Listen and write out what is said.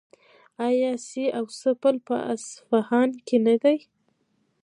آیا سي او سه پل په اصفهان کې نه دی؟